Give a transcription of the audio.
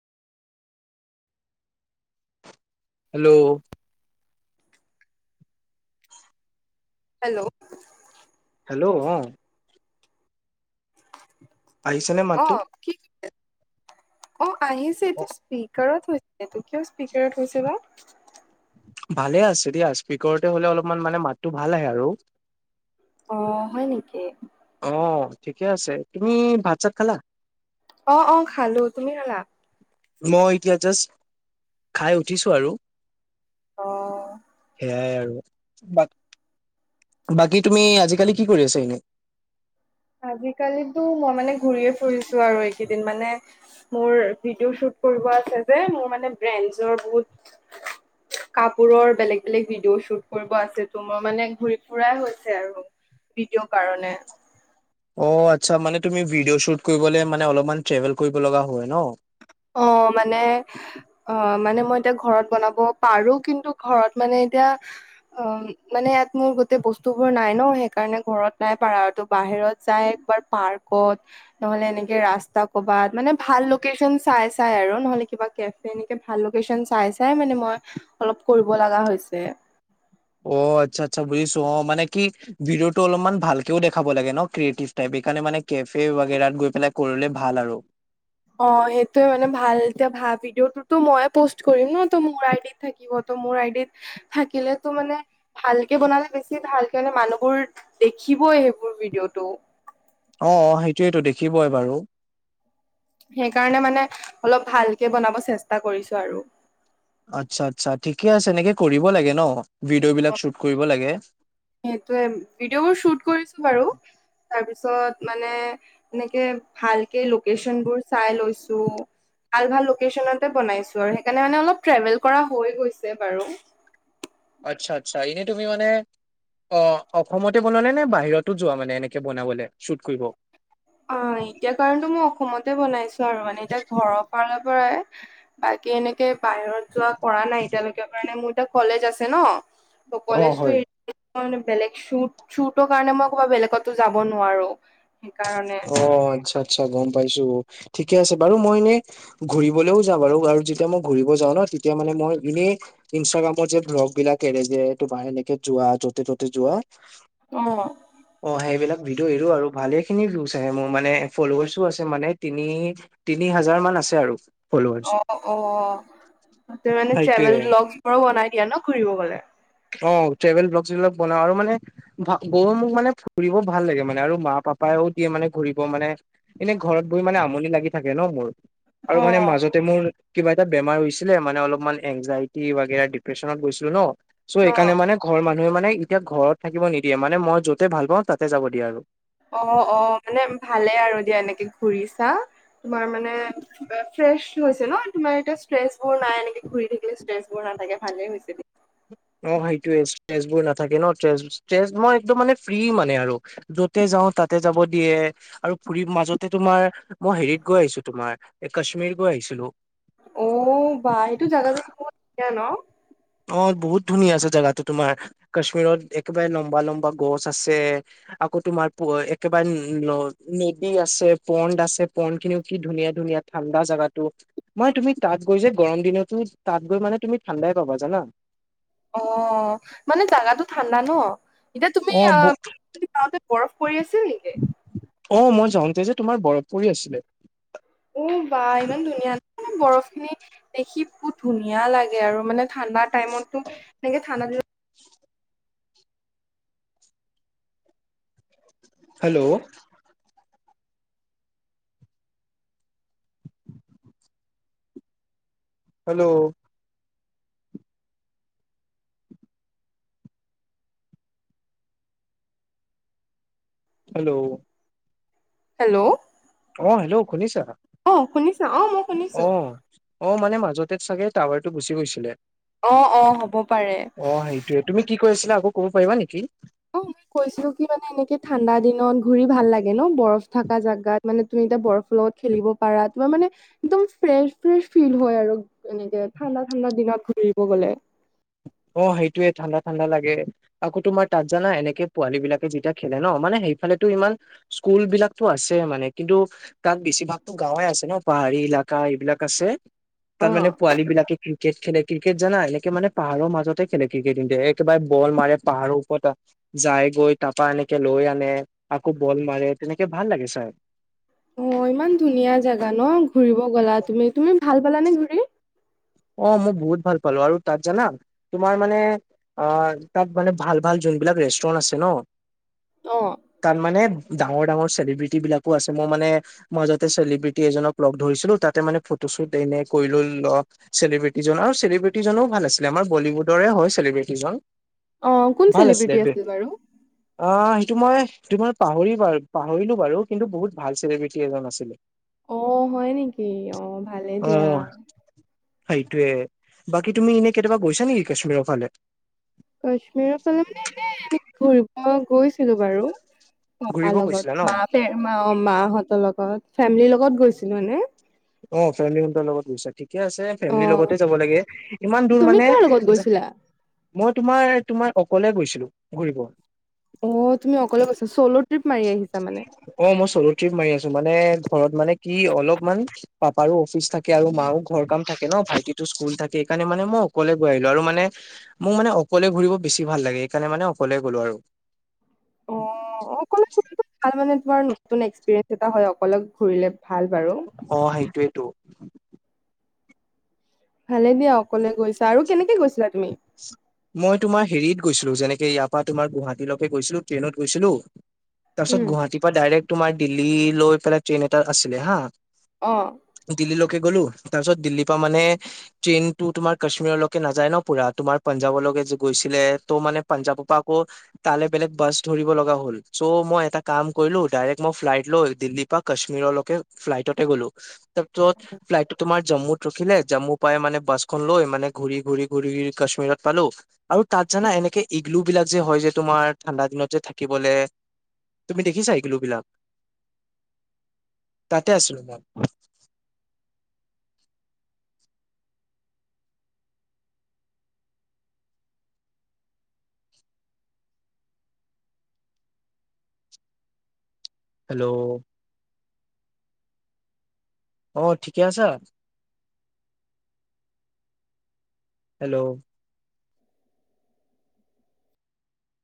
Hello hello hello অ আহিছেনে অ মাতটো? কি অ আহিছে অ এইটো স্পীকাৰত হৈছ এইটো কিয় স্পীকাৰত হৈছে বা ভালে আছো দিয়া স্পীকাৰতে হ'লে অলপমান মানে মাতটো ভাল আহে আৰু অ হয় নেকি অ ঠিকে আছে তুমি ভাত চাত খালা অ অ খালো তুমি খালা মই এতিয়া জাষ্ট খাই উঠিছো আৰু অঁ সেয়াই আৰু বাক বাকী তুমি আজিকালি কি কৰি আছা এনে আজিকালিতো মই মানে ঘূৰিয়ে ফুৰিছো আৰু এইকেইদিন মানে মোৰ ভিডিঅ' শ্বুট কৰিব আছে যে মোৰ মানে ব্ৰেণ্ডজৰ বহুত [inaudible] কাপোৰৰ বেলেগ বেলেগ ভিডিঅ' শ্বুট কৰিব আছে তো মোৰ মানে ঘূৰি ফুৰাই হৈছে আৰু ভিডিঅ কাৰণে অ আচ্ছা মানে তুমি ভিডিঅ' শ্বুট কৰিবলে মানে অলপমান ট্ৰেভেল কৰিব লগা হয় ন অ মানে অ মানে মই এতিয়া ঘৰত বনাব পাৰো কিন্তু ঘৰত মানে এতিয়া অ মানে ইয়াত মোৰ গোটেই বস্তুবোৰ নাই ন সেইকাৰণে ঘৰত নাই পাৰা আৰু বাহিৰত যাই একবাৰ পাৰ্কত নহলে এনেকে ৰাস্তা ক'বাত মানে ভাল লোকেচন চাই চাই আৰু নহলে কিবা কেফে এনেকে ভাল লোকেশচন চাই চাই মানে মই অলপ কৰিব লগা হৈছে অ আচ্ছা আচ্ছা বুজিছো অ মানে কি ভিডঅটো অলপমান ভালকেও দেখাব লাগে ন ক্ৰিয়েটিভ টাইপ সেইকাৰণে মানে কেফে বাগেৰাত গৈ পেলাই কৰিলে ভাল আৰু অ সেইটোয়ে মানে ভাল এতিয়া ভাল ভিডিঅ' তুটো মইয়ে পষ্ট কৰিম ন ত মোৰ আই ডি থাকিব তো মোৰ আইডিত থাকিলে তো মানে ভালকে বনালে বেছি ভালকে মানে মানুহবোৰ দেখিবই সেইবোৰ ভিডিঅ' টো অ সেইটোয়েতো দেখিবই বাৰু সেইকাৰণে মানে অলপ ভালকে বনাব চেষ্টা কৰিছো আৰু আচ্ছা আচ্ছা ঠিকে আছে এনেকে কৰিব লাগে ন ভিডিঅ' বিলাক শ্বুট কৰিব লাগে সেইটোৱে ভিডিঅ' বোৰ শ্বুট কৰিছো বাৰু তাৰপিছত মানে এনেকে ভালকে লোকেশচন বোৰ চাই লৈছো ভাল ভাল লোকেচনতে বনাইছো আৰু সেইকাৰণে মানে অলপ ট্ৰেভেল কৰা হৈ গৈছে বাৰু আচ্ছা আচ্ছা এনেই তুমি মানে অ অসমতে বনালে নে বাহিৰতো যোৱা মানে এনেকে বনাবলে শ্বুট কৰিব অ এতিয়া কাৰণটো মই অসমতে বনাইছো আৰু মানে এতিয়া ঘৰৰ ফালৰ পৰায় বাকী এনেকে বাহিৰত যোৱা কৰা নাই এতিয়ালৈকে কাৰণ মোৰ এতিয়া কলেজ আছে ন ত অ কলেজটো হয় এৰি মই মানে বেলেগ শ্বুট শ্বুটটৰ কাৰণে মই ক'ৰবাত বেলেগতো যাব নোৱাৰো কাৰণে অ, আচ্ছা, আচ্ছা, গম পাইছোঁ, ‌ঠিকে আছে বাৰু, মই এনে ঘুৰিবলেও যাম বাৰু, আৰু যেতিয়া মই ঘুৰিব যাওঁ ন তেতিয়া মানে মই এনেই ইন্ষ্টাগ্ৰামত যে ভ্লগ বিলাক এৰে যে, এই তোমাৰ এনেকে যোৱা, য'তে ত'তে যোৱা অ অ', সেইবিলাক ভিডিঅ' এৰো আৰু ভালেই খিনি ভিউছ আহে মোৰ মানে, ফলোৱাৰ্ছো আছে মানে তিনি, তিনি হাজাৰ মান আছে আৰু ফল'ৱাৰ্চ। অ', অ', ত মানে ট্ৰেভেল্ সেইটোয়ে ভ্লোগছবোৰ বনাই দিয়া ন ঘুৰিব গ'লে? অ', ট্ৰেভেল ভ্লোগছবিলাক বনাও, আৰু মানে ভা গৰমত মোক মানে ফুৰিব ভাল লাগে মানে, আৰু মা পাপাইও দিয়ে মানে ঘুৰিব মানে এনে ঘৰত বহি মানে আমনি লাগি থাকে ন মোৰ, আৰু অ মানে মাজত তে মোৰ কিবা এটা বেমাৰ হৈছিলে মানে অলপমান এনজাইটি বাগেৰা ডিপ্ৰেচনত গৈছিলোঁ ন চ' সেইকাৰণে মানে ঘৰৰ মানুহে মানে এতিয়া ঘৰত থাকিব নিদিয়ে মানে মই য'তে ভাল পাওঁ তাতে যাব দিয়ে আৰু। অ', অ', মানে ভালে আৰু দিয়া এনেকে ঘূৰিছা তোমাৰ মানে ফ্ৰেচ হৈছে ন তোমাৰ এতিয়া ষ্ট্ৰেচ বোৰ নাই এনেকে ঘুৰি থাকিলে ষ্ট্ৰেছ বোৰ নাথাকে, ভালেই হৈছে দি অ', সেইটোয়ে ষ্ট্ৰেচ বোৰ নাথাকে ন, ষ্ট্ৰেচ, মই একদম মানে ফ্ৰী মানে আৰু। য'তে যাওঁ তাতে যাব দিয়ে, আৰু ফুৰি মাজতে তোমাৰ মই হেৰিত গৈ আহিছোঁ তোমাৰ, এ কাশ্মীৰ গৈ আহিছিলোঁ। কিয়নো? অ', বহুত ধুনীয়া আছে জেগাতো তোমাৰ, কাশ্মীৰত একেবাৰে লম্বা লম্বা গছ আছে আকৌ তোমাৰ প, একেবাৰে নদী আছে, পণ্ড আছে, পণ্ড খিনিও কি ধুনীয়া ধুনীয়া। ঠাণ্ডা জাগাতো, মই তুমি তাত গৈ যে গৰম দিনতো তাত গৈ মানে তুমি ঠাণ্ডাই পাবা জানা। অ', মানে জাগা ঠাণ্ডা ন, এতিয়া তুমি, অ' তুমি যাওঁতে বৰফ পৰি আছিল নেকি? অ', মই যাওঁতে যে তোমাৰ বৰফ পৰি আছিলে। উ বা ইমান ধুনীয়া ন, মানে বৰফ খিনি দেখি বহুত ধুনীয়া লাগে আৰু মানে ঠাণ্ডা টাইমতটো এনেকে ঠাণ্ডা দিনত হেল্ল'। হেল্ল'। হেল্ল'। হেল্ল'। অ', হেল্ল' শুনিছা? অ', শুনিছা অ', মোক অ', অ', মানে মাজতে চাগে টাৱাৰটো গুচি গৈছিলে। অ', অ', হ'ব পাৰে। অ সেইটোয়ে তুমি কি কৈ আছিল আকৌ ক'ব পাৰিবা নেকি? অ', মই কৈছিলোঁ কি মানে এনেকে ঠাণ্ডা দিনত ঘূৰি ভাল লাগে ন বৰফ থাকা জাগাত মানে তুমি এতিয়া বৰফৰ লগত খেলিব পাৰা তোমাৰ মানে একদম ফ্ৰেছ ফ্ৰেছ ফিল হয় আৰু এনেকে ঠাণ্ডা ঠাণ্ডা দিনত ঘূৰিব গ'লে। অ', সেইটোয়ে ঠাণ্ডা ঠাণ্ডা লাগে। আকৌ তোমাৰ তাত জানা এনেকে পোৱালী বিলাকে যেতিয়া খেলে ন মানে সেইফালেতো ইমান স্কুলবিলাকতো আছে মানে কিন্তু তাত বেছিভাগতো গাঁৱে আছে ন পাহাৰী এলেকা এইবিলাক আছে। অ। তাত মানে পোৱালী বিলাকে ক্ৰিকেট খেলে ক্ৰিকেট জান এনেকে মানে পাহাৰৰ মাজত তে খেনে ক্ৰিকেটিয়ে একেবাৰে বল মাৰে পাহাৰৰ ওপৰত যাই গৈ, তাৰাপা এনেকে লৈ আনে, আকৌ বল মাৰে তেনেকে ভাল লাগে চাই। অ', ইমান ধুনীয়া জেগা ন ঘূৰিব গ'লা তুমি তুমি ভাল পালানে ঘূৰি? অ', মই বহুত ভাল পালোঁ, আৰু তাত জানা তোমাৰ মানে অ তাত মানে ভাল ভাল যোনবিলাক ৰেষ্টুৰেণ্ট আছে ন। অ তাত মানে ডাঙৰ ডাঙৰ চেলিব্ৰিটি বিলাকো আছে মোৰ মানে, মই যাতে চেলিব্ৰিটি এজনক লগ ধৰিছিলোঁ, তাতে মানে ফটোশ্বুট এনে কৰিললোঁ। চেলিব্ৰিটিজন আৰু চেলিব্ৰিটিজনো ভাল আছিলে আমাৰ বলিউডৰে হয় চেলিব্ৰিটিজন। অ কোন ভাল আছিলে চেলিব্ৰিটি দে। আছিল বাৰু? অ', সেইটো মই তুমাৰ পাহৰি বাৰু পাহৰিলোঁ বাৰু কিন্তু বহুত ভাল চেলিব্ৰিটি এজন আছিল। [unintelligible] অ', হয় নেকি অ', ভালে দিয়া। সেইটোৱেই বাকী তুমি এনে কেতিয়াবা গৈছাঁ নেকি কাশ্মীৰৰ ফালে? কাশ্মীৰৰ ফালে মানে এনে আমি ঘূৰিব গৈছিলোঁ বাৰু। পাপা ঘুৰিব লগত গৈছিলা ন মাতে মা মাহঁতৰ লগত ফেমিলিৰ লগত গৈছিলোঁ এনে। অ', ফেমিলি মৰ লগত গৈছা। [unintelligible] ঠিকে আছে অ ফেমিলিৰ লগতে যাব লাগে ইমান দূৰ তুমি মানে, কাৰ লগত গৈছিলা মই তোমাৰ তোমাৰ অকলে গৈছিলোঁ ঘূৰিব। অ', তুমি অকলে গৈছাঁ চ'ল' ট্ৰিপ মাৰি আহিছা মানে। অ', মই চলো ট্ৰিপ মাৰি আছোঁ। মানে ঘৰত মানে কি অলপমান পাপাৰো অফিচ থাকে, আৰু মাও ঘৰ কাম থাকে ন ভাইটিটো স্কুল থাকে, সেইকাৰণে মানে মই অকলে গৈ আহিলোঁ আৰু মানে মোৰ মানে অকলে ঘূৰিব বেছি ভাল লাগে সেইকাৰণে মানে অকলে গ'লো আৰু। অ [unintelligible] অকলে অকলে ভাল, মানে তুমাৰ নতুন এক্সপিৰিয়েঞ্চ এটা হয় অকল ঘূৰিলে ভাল বাৰু। অ', সেইটোৱেইটো। ভালে দিয়া অকলে গৈছাঁ আৰু কেনেকে গৈছিলাঁ তুমি। মই তোমাৰ হেৰিত গৈছিলোঁ যেনেকে ইয়াৰ পৰা তোমাৰ গুৱাহাটীলৈকে গৈছিলোঁ ট্ৰেইনত গৈছিলোঁ। তাৰপিছত উম গুৱাহাটীৰ পৰা ডাইৰেক্ট তোমাৰ দিল্লী লৈ পেলাই ট্ৰেইন এটা আছিলে হা। অ'। দিল্লীলৈকে গলোঁ তাৰ পিছত দিল্লীৰ পৰা মানে, ট্ৰেইনটো তোমাৰ কাশ্মীৰলৈকে নাযায় ন পুৰা তোমাৰ। পাঞ্জাবলৈকে যে গৈছিলে, ত মানে পঞ্জাৱৰ পৰা আকৌ তালে বেলেগ বাছ ধৰিব লগা হ'ল চ' মই এটা কাম কৰিলোঁ, ডাইৰেক্ট মই ফ্লাইট লৈ দিল্লী ৰ পৰা কাশ্মীৰলৈকে ফ্লাইটতে গ'লো, তাৰপিছত ফ্লাইটটো তোমাৰ জম্মুত ৰখিলে, জম্মু পাই মানে বাছখন লৈ মানে ঘূৰি ঘূৰি ঘূৰি কাশ্মীৰত পালোঁ, আৰু তাত জানা এনেকে ইগলু বিলাক যে হয় যে তোমাৰ ঠাণ্ডা দিনত যে থাকিবলে। তুমি দেখিছাঁ ইগলো বিলাক? তাতে আছিলোঁ মই। হেল্লৌ' অ ঠিকে আছাঁ? হেল্লৌ'